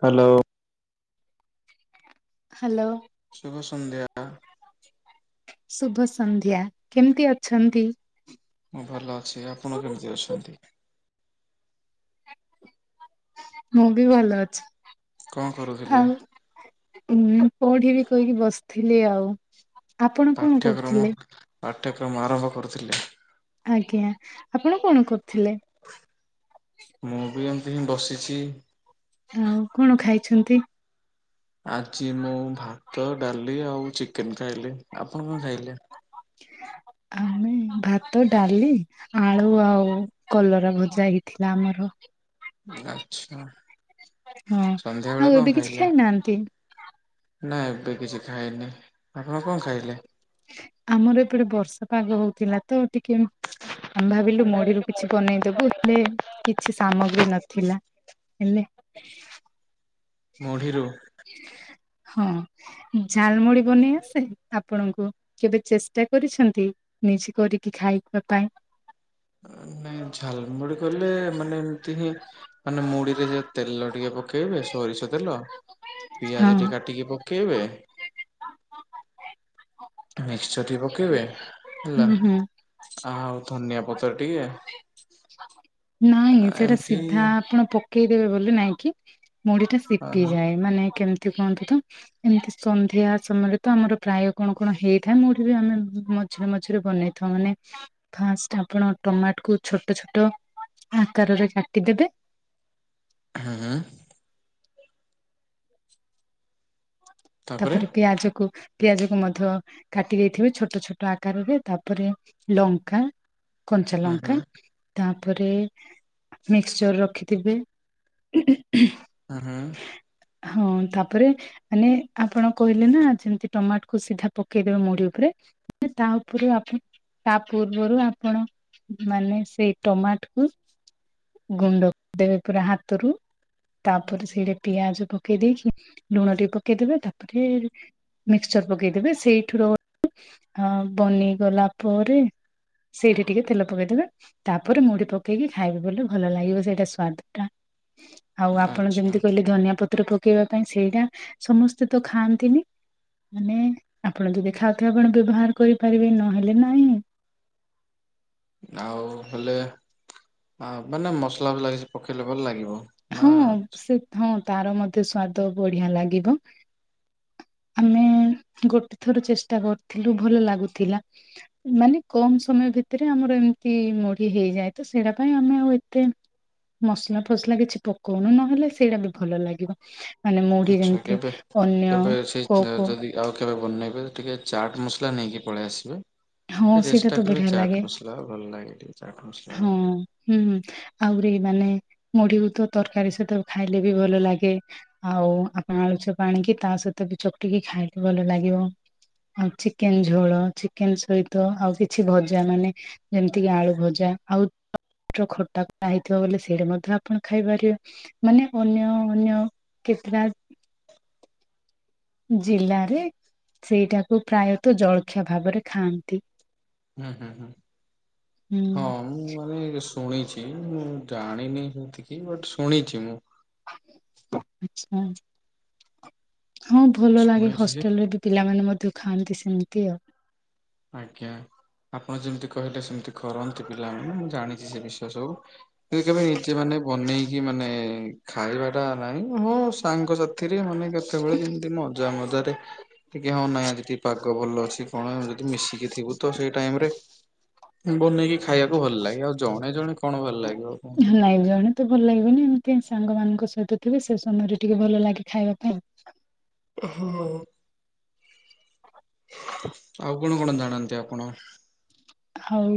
Hello. Hello. ଶୁଭ ସନ୍ଧ୍ୟା। ଶୁଭ ସନ୍ଧ୍ୟା କେମିତି ଅଛନ୍ତି? ମୁଁ ଭଲ ଅଛି ଆପଣ କେମିତି ଅଛନ୍ତି? ମୁଁ ବି ଭଲ ଅଛି କଣ କରୁଥିଲେ? ଆଉ। ଉଁ ପଢି ବି କହିକି ବସିଥିଲି ଆଉ ଆପଣ କଣ ପାଠ୍ୟକ୍ରମ କରୁଥିଲେ? ପାଠ୍ୟକ୍ରମ ଆରମ୍ଭ କରୁଥିଲେ‌। ଆଜ୍ଞା ଆପଣ କଣ କରୁଥିଲେ? ମୁଁ ବି ଏମିତି ହିଁ ବସିଛି। ଆଉ କଣ ଖାଇଛନ୍ତି? ଆଜି ମୁଁ ଭାତ, ଡାଲି ଆଉ ଚିକେନ ଖାଇଲି। ଆପଣ କଣ ଖାଇଲେ? ଆମେ ଭାତ, ଡାଲି ଆଳୁ ଆଉ କଲରା ଭଜା ହେଇଥିଲା ଆମର। ଆଛା ହଁ। ଆଉ ସନ୍ଧ୍ୟାବେଳେ ଏବେ କଣ କିଛି ଖାଇଲେ? ଖାଇନାହାନ୍ତି ନା ଏବେ କିଛି ଖାଇନି, ଆପଣ କଣ ଖାଇଲେ? ଆମର ଏପଟେ ବର୍ଷା ପାଗ ହଉଥିଲା ତ ଟିକିଏ ଆମେ ଭାବିଲୁ ମୁଢିରୁ କିଛି ବନେଇଦବୁ ହେଲେ କିଛି ସାମଗ୍ରୀ ନଥିଲା। ହେଲେ ମୁଢ଼ିରୁ? ହଁ ଝାଲମୁଢ଼ି ବନେଇ ଆସେ? ଆପଣଙ୍କୁ କେବେ ଚେଷ୍ଟା କରିଛନ୍ତି, ନିଜେ କରିକି ଖାଇବା ପାଇଁ? ନାଇଁ ଝାଲମୁଡି କହିଲେ ମାନେ ଏମିତି ହିଁ ମାନେ ମୁଢିରେ ଯେମିତି ତେଲ ଟିକେ ପକେଇବେ ସୋରିଷ ତେଲ ପିଆଜ ଟେ ହଁ। କାଟିକି ପକେଇବେ। ମିକ୍ସଚର ଟିକେ ପକେଇବେ ହେଲା। ହୁଁ ହୁଁ ଆଉ ଧନିଆ ପତ୍ର ଟିକେ। ଆ ନାଇଁ ସେଟା ଏମିତି ସିଧା ଆପଣ ପକେଇଦେବେ ବୋଲି ନାଇଁକିି, ମୁଢିଟା- ଅ ହଁ ଶିପିଯାଏ, ମାନେ କେମିତି କଣ ତ? ଏମିତି ସନ୍ଧ୍ୟା ସମୟରେ ତ ଆମର ପ୍ରାୟ କଣ, କଣ ହେଇଥାଏ, ମୁଁଢ଼ୀ ବି ଆମେ ମଝିରେ, ମଝିରେ ବନେଇଥାଉ। ମାନେ ଫାଷ୍ଟ ଆପଣ ଟମାଟ କୁ ଛୋଟ ଛୋଟ ଆକାରରେ କାଟିଦବେ। ହଁ, ହଁ। [inaudible] ତାପରେ ପିଆଜ କୁ ପିଆଜ କ ମଧ୍ୟ କାଟି ଦେଇଥିବେ, ଛୋଟ ଛୋଟ ଆକାରରେ ତାପରେ ଲଙ୍କା କଞ୍ଚା ହୁଁ ହୁଁ ଲଙ୍କା ତାପରେ ମିକ୍ସଚର ରଖିଥିବେ ହ, ହଁ। ହଁ ତାପରେ ମାନେ। ଆପଣ କହିଲେ ନା, ଯେମତି ଟମାଟକୁ ସିଧା ପକେଇଦବେ ମୁଢି ଉପରେ, ତା ଉପରେ ଆପଣ ତା ପୂର୍ବରୁ ଆପଣ ମାନେ ସେଇ ଟମାଟ କୁ ଗୁଣ୍ଡ କରିଦେବେ ପୁରା ହାତରୁ। ତାପରେ ସେଇଟା ପିଆଜ ପକେଇ ଦେଇକି, ଲୁଣ ଟିକେ ପକେଇଦବେ ତାକୁ ଫିର ମିକ୍ସଚର ପକେଇଦବେ ସେଇଠ ରୁ- ହଁ ବନିଗଲା ପରେ ସେଇଠି ଟିକେ ତେଲ ପକେଇଦବେ। ତାପରେ ମୁଢି ପକେଇକି ଖାଇବେ ବୋଲେ ଭଲ ଲାଗିବ ସେଇଟା ସ୍ୱାଦଟା। ଆଉ ଆପଣ ଆଚ୍ଛା ଯେମିତି କହିଲେ, ଧନିଆ ପତ୍ର ପକେଇବା ପାଇଁ ସେଇଟା ସମସ୍ତେ ତ ଖାଆନ୍ତିନି। ମାନେ ଆପଣ ଯଦି ଖାଉଥିବେ, ଆପଣ ବ୍ୟବହାର କରିପାରିବେ, ନହେଲେ ନାଇଁ। ଆଉ ହେଲେ, ମାନେ ମସଲା ଫସଲା କିଛି ପକେଇଲେ ଭଲ ଲାଗିବ? ନା ହଁ, ସେ ହଁ ତାର ମଧ୍ୟ ସ୍ଵାଦ ବଢିଆ ଲାଗିବ। ଆମେ ଗୋଟେ ଥର ଚେଷ୍ଟା କରିୁଥିଲୁ ଭଲ ଲାଗୁଥିଲା। ମାନେ କମ ସମୟ ଭିତରେ, ଆମର ଏମିତି ମୁଢ଼ି ହେଇଯାଏ, ତ ସେଇଟା ପାଇଁ ଆମେ ଆଉ ଏତେ ମସଲା ଫସଲା କିଛି ପକଉନୁ, ନହେଲେ ସେଇଟା ବି ଭଲ ଲାଗିବ। ମାନେ ମୁଢି ଆଚ୍ଛା ଯେମିତି କେବେ ଅନ୍ୟ- କେବେ ସେ କୋଉ କୋଉ ଯଦି ଆଉ କେବେ ବନେଇବେ ଟିକେ ଚାଟ ମସଲା ନେଇକି ପଳେଇ ଆସିବେ। ହଁ ସେଇଟା ଚେଷ୍ଟା ତ କରିବେ ବଢିଆ ଲାଗେ ଚାଟ୍ ମସଲା, ଭଲ ଲାଗେ ଟିକେ ଚାଟ୍ ହଁ ମସଲାଟା। ହୁଁ, ହୁଁ ଆହୁରି ମାନେ ମୁଢିକୁ ତ ତରକାରୀ ସହିତ ଖାଇଲେ ବି ଭଲ ଲାଗେ। ଆଉ, ଆପଣ ଆଳୁଚପ୍ ଆଣିକି ତା ସହିତ ବି, ଚକଟିକି ଖାଇଲେ ଭଲ ଲାଗିବ। ଆଉ ଚିକେନ୍ ଝୋଳ, ଚିକ୍ କେନ୍ ସହିତ ଆଉ କିଛି ଭଜା, ମାନେ ଯେମିତି କି ଆଳୁ ଭଜା ଆଉ ଖଟା- ଖଟା ହେଇଥିବ ବଲେ, ସେଇଟା ମଧ୍ୟ ଆପଣ ଖାଇପାରିବେ। ମାନେ ଅନ୍ୟ -ଅନ୍ୟ କେତେଟା? ଜିଲ୍ଲାରେ ସେଇଟାକୁ ପ୍ରାୟତଃ ଜଳଖିଆ ଭାବରେ ଖାଆନ୍ତି। ହୁଁ -ହୁଁ- ହୁଁ ହୁଁ -ହଁ ମୁଁ ମାନେ ଉସ୍ ଶୁଣିଛି, ମୁଁ ଜାଣିନି ସେତିକି। ବଟ୍ ଶୁଣିଛି ମୁଁ। ହଁ, ଭଲ ଲାଗେ ଶୁଣିଛି ଯେ ହଷ୍ଟେଲରେ ବି। ପିଲାମାନେ ମଧ୍ୟ ଖାଆନ୍ତି ସେମିତି ଆଉ। ଆଜ୍ଞା, ଆପଣ ଯେମିତି କହିଲେ, ସେମିତି କରନ୍ତି ପିଲାମାନେ। ମୁଁ ଜାଣିଛି, ସେ ବିଷୟ ସବୁ। ସେ କେବେ ନିଜେ ମାନେ, ବନେଇକି ମାନେ-ଏ ଖାଇବା ଟା ନାହିଁ, ମୋ ସାଙ୍ଗସାଥିରେ ମାନେ କେତେବେଳେ କେମିତି ମଜା ମଜାରେ ଟିକେ ହଁ, ନାଇଁ ଆଜି ଟିକେ ପାଗ ଭଲ ଅଛି କଣ, ଯଦି ମିଶିକି ଥିବୁ ତ ସେଇ ଟାଇମ୍ ରେ ବନେଇକି ଖାଇବାକୁ ଭଲ ଲାଗେ। ଆଉ ଜଣେ, ଜଣେ କଣ ଭଲ ଲାଗିବ କୁହନ୍ତୁ। ହଁ, ଲାଇ ଜଣେ ମୋତେ ଭଲ ଲାଗିବନି, ଏମିତି ସାଙ୍ଗ ମାନଙ୍କ ସହିତ ଥିବେ। ସେ ସମୟରେ ଟିକେ ଭଲ ଲାଗେ ଖାଇବା ପାଇଁ। ହଅ, ଆଉ କଣ କଣ ଜାଣନ୍ତି ଆପଣ? ଆଉ,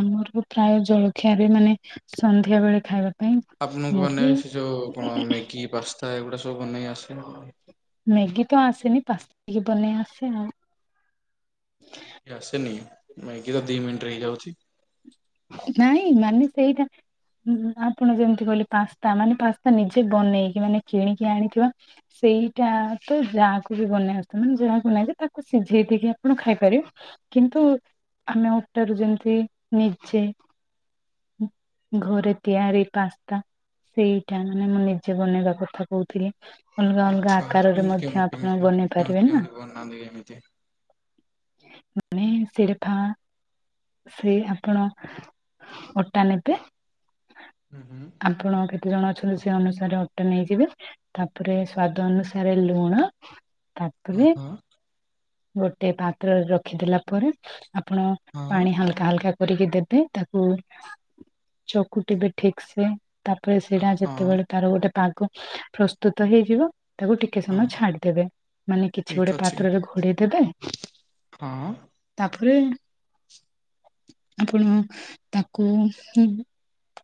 ଆମର ପ୍ରାୟ ଜଳଖିଆବି ମାନେ ସନ୍ଧ୍ୟା ବେଳେ ଖାଇବା ପାଇଁ ଆପଣଙ୍କୁ ମାନେ ମୁଢି ସେ ଯଉ କଣ ମ୍ୟାଗି, ପାସ୍ତା ଏଗୁଡା ସବୁ ବନେଇ ଆସେ? ମ୍ୟାଗି ତ ଆସେନି, ପାସ୍ ଟିକେ ବନେଇ ଆସେ ଆଉ। ଆସେନି, ମ୍ୟାଗି ତ ଦି ମିନ୍ଟି ରେ ହେଇଯାଉଛି। ନାଇଁ, ମାନେ ସେଇଟା। ଆପଣ ଯେମିତି କହିଲେ, ପାସ୍ତା ମାନେ, ପାସ୍ତା ନିଜେ ବନେଇକି ମାନେ କିଣିକି ଆଣିଥିବା ସେଇଟା ତ ଯାହାକୁ ବି ବନେଇ ଆସିଥିବ, ମାନେ ଯାହାକୁ ନାଇଁ ଯେ ତାକୁ ସିଝେଇ ଦେଇକି ଆପଣ ଖାଇପାରିବେ। କିନ୍ତୁ, ଆମେ ଅଟାରୁ ଯେମତି ଛେ ଘରେ ତିଆରି ପାସ୍ତା, ସେଇଟା ମାନେ ମୁଁ ନିଜେ ବନେଇବା କଥା କହୁଥିଲି। ଅଲଗା ଅଲଗା ଆଚ୍ଛା ଆକାରରେ କେମିତି ମଧ୍ୟ କେମିତି ଆପଣ କେମିତି ବନେଇ କେମିତି ପାରିବେ କେମିତି ନା! ବନାନ୍ତି କେମିତି? ମାନେ ସେଡେଫାଁ ସେ ଆପଣ ଅଟା ନେବେ ହୁଁ, ହୁଁ। ଆପଣ କେତେ ଜଣ ଅଛନ୍ତି? ସେ ଅନୁସାରେ ଅଟା ନେଇଯିବେ। ତା'ପରେ ସ୍ଵାଦ ଅନୁସାରେ ଲୁଣ। ହଁ ତା'ପରେ ଗୋଟେ ପାତ୍ରରେ ରଖିଦେଲା ପରେ, ଆପଣ ହଁ ପାଣି ହାଲ୍କା ହାଲ୍କା କରିକି ଦେବେ, ତାକୁ ଚକୁଟିବେ ଠିକ୍ ସେ। ତା'ପରେ ସେଇଟା ହଁ ଯେତେବେଳେ ତାର ଗୋଟେ ପାଗ ପ୍ରସ୍ତୁତ ହେଇଯିବ। ତାକୁ ଟିକେ ହଁ ସମୟ ଛାଡ଼ିଦେବେ ମାନେ କିଛି ଠିକ ଗୋଟେ ଅଛି ପାତ୍ରରେ ଘୋଡ଼େଇ ଦେବେ। ହଁ। ତା'ପରେ ଆପଣ ତାକୁ ହୁଁ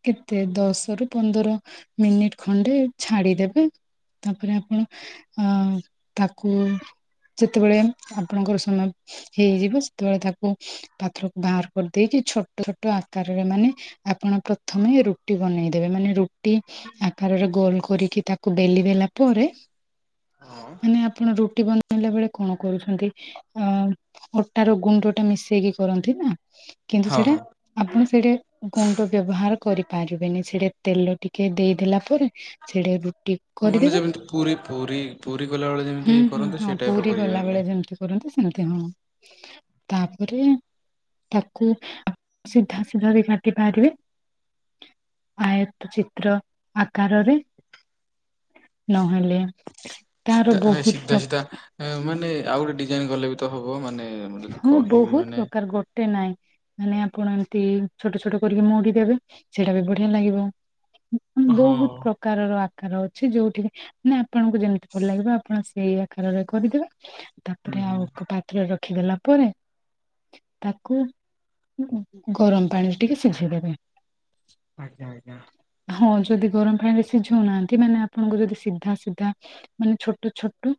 କେତେ? ଦଶ ରୁ ପନ୍ଦର ମିନିଟ୍ ଖଣ୍ଡେ ଛାଡିଦେବେ। ତା'ପରେ ଆପଣ ଅଁ ତାକୁ ଯେତେବେଳେ ଆପଣଙ୍କର ସମୟ ହେଇଯିବ, ସେତେବେଳେ ତାକୁ ପାତ୍ରକୁ ବାହାର କରିଦେଇକି ଛୋଟ ଛୋଟ ଆକାରରେ ମାନେ ଆପଣ ପ୍ରଥମେ ରୁଟି ବନେଇଦେବେ ମାନେ ରୁଟି ଆକାରରେ ଗୋଲ କରିକି ତା କୁ ବେଲି ଦେଲା ପରେ ହଁ ମାନେ ଆପଣ ରୁଟି ବନେଇଲା ବେଳେ କଣ କରୁଛନ୍ତି ଅ ଅଟାର ଗୁଣ୍ଡ ଟା ମିଶେଇକି କରନ୍ତି ନା। କିନ୍ତୁ ହଁ ସେଟା ହଁ ଆପଣ ସେଇଟା ଗୁଣ୍ଡ ବ୍ୟବହାର କରିପାରିବେନି ସେଟା ତେଲ ଟିକେ ଦେଇଦେଲା ପରେ ସେଇଟା ରୁଟି ମାନେ କରିଦେବେ ଯେମିତି ପୁରୀ ପୁରୀ ପୁରୀ ଗଲାବେଳେ ଯେମିତି ହୁଁ ହୁଁ କରନ୍ତି ହଁ। ସେଇ ଟାଇପର ପୁରୀ କରିବେ ଗଲା ହେଲେ। ବେଳେ ଯେମତି କରନ୍ତି ସେମିତି ହଁ ତାପରେ ତାକୁ ସିଧା ସିଧା ରେ କା କାଟି ପାରିବେ ଆୟତ ଚିତ୍ର ଆକାରରେ ନହେଲେ ସି ତାର ସିଧା ନାଇଁ ବହୁତ ସିଧା ପ୍ର ସିଧା ମାନେ ଆଉ ଗୋଟେ ଡିଜାଇନ କଲେ ବି ତ ହବ ମାନେ ମୁଁ ଯଦି ହଁ କହିବି ବହୁତ ମାନେ ପ୍ରକାର ଗୋଟ ମୋଟେ ନାଇଁ ମାନେ ଆପଣ ଏମିତି ଛୋଟ ଛୋଟ କରିକି ମୋଡି ଦେବେ ସେଇଟା ବି ବଢିଆ ଲାଗିବ ହଁ ବହୁତ ପ୍ରକାରର ଆକାର ଅଛି ଯୋଉଠିକି ନା ଆପଣଙ୍କୁ ଯେମିତି ଭଲ ଲାଗିବ ଆପଣ ସେଇ ଆକାରରେ କରିଦେବେ ହୁଁ ତାପରେ ଆଉ ହୁଁ ଏକ ପାତ୍ରରେ ର ରଖିଦେଲା ପରେ ତାକୁ ଗରମ ପାଣିରେ ଟିକେ ସିଝେଇ ଦେବେ। ଆଜ୍ଞା ଆଜ୍ଞା। ହଁ ଯଦି ଗରମ ପାଣିରେ ସିଝଉନାହାନ୍ତି ମାନେ ଆପଣଙ୍କୁ ଯଦି ସିଧା ସିଧା ମାନେ ଛୋଟ ଛୋଟ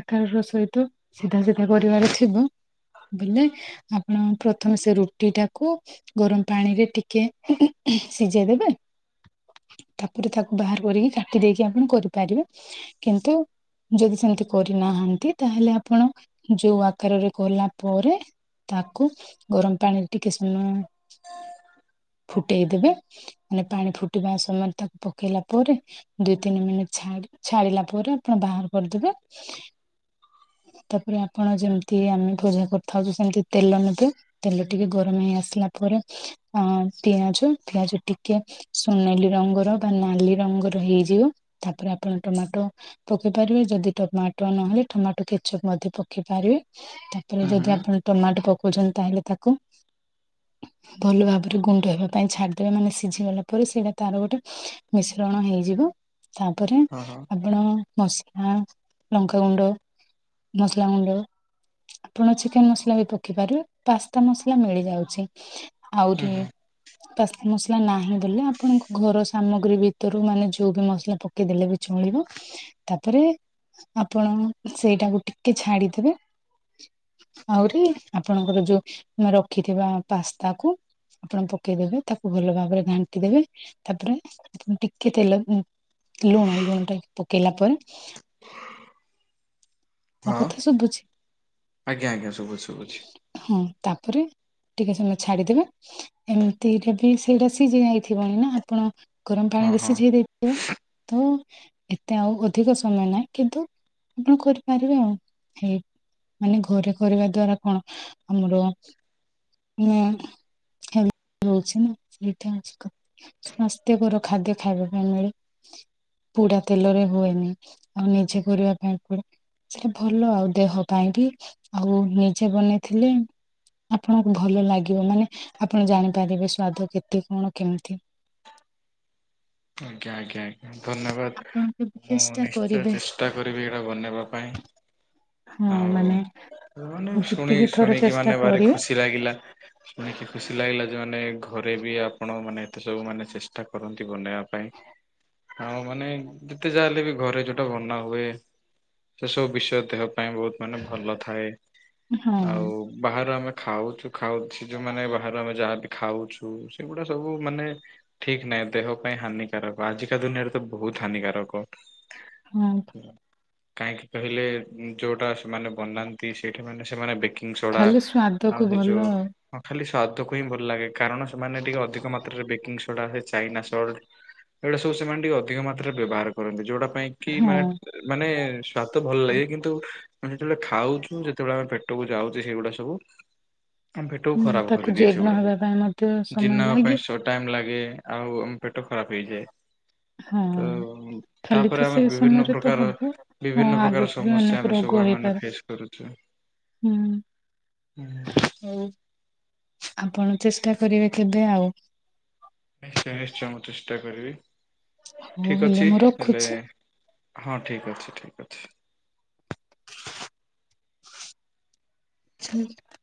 ଆକାର ର ସହିତ ସିଧା ସିଧା କରିବାର ଥିବ ବିନେ ଆପଣ ପ୍ରଥମେ ସେ ରୁଟିଟାକୁ ଗରମ ପାଣିରେ ଟିକେ ଶିଝେଇ ଦେବେ। ତାପରେ ତାକୁ ବାହାର କରିକି କାଟି ଦେଇକି ଆପଣ କରିପାରିବେ କିନ୍ତୁ ଯଦି ସେମିତି କରିନାହାନ୍ତି ତାହେଲେ ଆପଣ ଯୋଉ ଆକାରରେ କଲା ପରେ ତାକୁ ଗରମ ପାଣିରେ ଟିକେ ଫୁଟେଇଦବେ ମାନେ ପାଣି ଫୁଟିବା ସମୟରେ ତାକୁ ପକାଇଲା ପରେ ଦି ତିନି ମିନିଟ୍ ଛାଡ ଛାଡିଲା ପରେ ପୁଣି ବାହାର କରିଦେବେ। ଇନଅଡିବୁଲ ତାପରେ ଆପଣ ଯେମିତି ଆମେ ଭୂଜା କରିଥାଉଛୁ ସେମିତି ତେଲ ନେବେ। ତେଲ ଟିକେ ଗରମ ହେଇ ଆସିଲା ପରେ ଅ ପିଆଜ ପିଆଜ ଟିକେ ସୁନେଲି ରଙ୍ଗର ବା ନାଲି ରଙ୍ଗର ହେଇଯିବ ତାପରେ ଆପଣ ଟମାଟୋ ପକେଇ ପାରିବେ ଯଦି ଟମାଟୋ ନହେଲେ ଟମାଟୋ କିଚକ ମଧ୍ୟ ପକେଇ ପାରିବେ ତା ହୁଁ ହୁଁ ଯଦି ଆପଣ ଟମାଟୋ ପକଉଛନ୍ତି ତାହେଲେ ତାକୁ ଭଲ ଭାବରେ ଗୁଣ୍ଡ ହେବା ପାଇଁ ଛାଡିଦେବେ ମାନେ ସିଝିଗଲା ତା ପରେ ସେଟା ତାର ଗୋଟେ ମିଶ୍ରଣ ହୋଇଯିବ ତାପରେ ହଁ ହଁ ଆପ ଆଣ, ମସଲା, ଲଙ୍କାଗୁଣ୍ଡ, ମସଲା ଗୁଣ୍ଡ ଆପଣ ଚିକେନ ମସଲା ବି ପକେଇ ପାରିବେ ପାସ୍ତା ମସଲା ମିଳିଯାଉଛି। ହୁଁ ଆହୁରି ହୁଁ ପାସ୍ତା ମସଲା ନାହିଁ। ବଲେ ଆପଣଙ୍କ ଘର ସାମଗ୍ରୀ ଭିତରୁ ମାନେ ଯୋଉ ବି ମସଲା ପକେଇଦେଲେ ବି ଚଳିବ। ତାପରେ ଆପଣ ସେଇଟାକୁ ଟିକେ ଛାଡିଥିବେ। ଆଉରି ଆପଣଙ୍କର ଯଉ ରଖିଥିବା ପାସ୍ତା କୁ ଆପଣ ପକେଇଦେବେ ତାକୁ ଭଲ ଭାବରେ ଘାଣ୍ଟି ଦେବେ ତାପରେ ଟିକେ ତେଲ ଦ ଲୁଣ ଲୁଣ ଟେ ପକେଇଲା ପରେ ମୋ ହଁ କଥା ଶୁଭୁଛି ଆଜ୍ଞା ଆଜ୍ଞା ଶୁଭୁଛି ଶୁଭୁଛି। ହଁ ତାପରେ ଟିକେ ସମୟ ଛାଡିଦେବେ ଏମିତିରେ ବି ସେଇଟା ସିଜିଯାଇ ଥିବଣି ନା ଆପଣ ଗରମ ପାଣି ହଁ ରେ ହଁ ସିଝେଇ ଦେଇ ତ ଏତେ ଆଉ ଅଧିକ ସମୟ ନାହିଁ କିନ୍ତୁ ଆପଣ କରିପାରିବେ ଆଉ ହେଇ ମାନେ ଘରେ କରିବା ଦ୍ଵାରା କଣ ଆମର ମୁଁ ରହୁଛି ନା ସେଇଠି ଅଛି କ ସ୍ୱାସ୍ଥ୍ୟକର ଖାଦ୍ୟ ଖାଇବା ପାଇଁ ମିଳେ। ପୋଡା ତେଲରେ ହୁଏନି ଆଉ ନିଜେ କରିବା ପାଇଁ ପଡେ। ସେ ଭଲ ଆଉ ଦେହ ପାଇଁ ବି ଆଉ ନିଜେ ବନେଇଥିଲି। ଆପଣଙ୍କୁ ଭଲ ଲାଗିବ ମାନେ ଆପଣ ଜାଣିପାରିବେ ସ୍ଵାଦ କେତେ କଣ। କେମିତି? ଆଜ୍ଞା ଆଜ୍ଞା ଆଜ୍ଞା ଧନ୍ୟବାଦ ଆପଣ କେବେ ମୁଁ ଚେଷ୍ଟା ନିଶ୍ଚୟ କରିବେ ଚେଷ୍ଟା କରିବି ଏଇଟା ବନେଇବା ପାଇଁ। ହଁ ଆଉ ମାନେ ଶୁନି ଶୁଣି ଯେତିକି ଥର ଶୁଣିକି ଚେଷ୍ଟା ମାନେ ଭାରି କରିବେ ଖୁସି ଲାଗିଲା। ଶୁଣିକି ଖୁସି ଲାଗିଲା ଯେ ମାନେ ଘରେ ବି ଆପଣ ମାନେ ଏତେ ସବୁ ମାନେ ଚେଷ୍ଟା କରନ୍ତି ବନେଇବା ପାଇଁ। ହଁ ମାନେ ଯେତେ ଯାହାହେଲେ ବି ଘରେ ଯୋଉଟା ବନା ହୁଏ ସେ ସବୁ ବିଷୟ ଦେହ ପାଇଁ ବହୁତ୍ ମାନେ ଭଲ ଥାଏ ହଁ ଆଉ ବାହାରେ ଆମେ ଖାଉଛୁ ଖାଉଛୁ ଯୋଉମାନେ ବାହାରେ ଆମେ ଯାହାବି ଖାଉଛୁ ସେଗୁଡା ସବୁ ମାନେ ଠିକ୍ ନାଇଁ ଦେହ ପାଇଁ ହାନିକାରକ ଆଜିକା ଦୁନିଆରେ ତ ବହୁତ୍ ହାନିକାରକ। ହୁଁ [unintelligible] ହୁଁ କାହିଁକି କହିଲେ ଯୋଉଟା ସେମାନେ ବନାନ୍ତି ସେଇଠୀ ମାନେ ସେମାନେ ବେଖ ଉଁ ଛଡ଼ା ଖାଲି ସ୍ଵାଦକୁ ଆଉ ହେଇଯୋ ଭଲ ହଁ ଖାଲି ସ୍ଵାଦକୁ ହିଁ ଭଲ ଲାଗେ କାରଣ ସେମାନେ ଟିକେ ଅଧିକ ମାତ୍ରାରେ ବେକିଂଙ୍ଗ ସୋଡ଼ା ସେ ଚାଇନା ସଲ୍ଟ ସେଇଟା ସବୁ ସେମାନେ ଟିକେ ଅଧିକ ମାତ୍ରାରେ ବ୍ୟବହାର କରନ୍ତି ଯୋଉଟା ପାଇଁ କି ହଁ ମାନେ ମାନେ ସ ସାତ ଭଲ ଲାଗେ କିନ୍ତୁ ଆମେ ଯେତେବେଳେ ଖାଉଛୁ ସେ ଯେତେବେଳେ ଆମ ପେଟକୁ ଯାଉଛି ସେଇଗୁଡା ସବୁ ଆମ ପେଟକୁ ହୁଁ ଖରାପ୍ ତାକୁ କରିଦିଏ ଜୀର୍ଣ୍ଣ ସେଗୁଡା ହେବା ପାଇଁ ମଧ୍ୟ ସବୁ ସମୟ ଜିିନ ପାଇଁ ଲାଗେ ସଟ ଟାଇମ୍ ଲାଗେ ଆଉ ଆମ ପେଟ ଖରାପ୍ ହେଇଯାଏ। ହଁ ତ ଖାଲି ତ ତାପରେ ସେ ଆମେ ବିଭିନ୍ନ ସମୟରେ ତ ପ୍ରକାର ହବ ହଁ ବିଭିନ୍ନ ପ୍ରକାର ଆଗକୁ ବି ସମସ୍ୟା ଅନେକ ଆମେ ରୋଗ ସବୁଆ ମାନେ ହେଇପାରେ ଫେସ୍ କରୁଛୁ। ହୁଁ। ହୁଁ ହୁଁ ହୁଁ। ହଉ ଆପଣ ଚେଷ୍ଟା କରିବେ କେବେ ଆଉ ନିଶ୍ଚୟ ନିଶ୍ଚୟ ମୁଁ ଚେଷ୍ଟା କରିବି ହଉ ଠିକ୍ ଅଛି ମୁଁ ହେଲେ ରଖୁଛି। ହଁ ଠିକ୍ ଅଛି ଠିକ୍ ଅଛି। [unintelligible]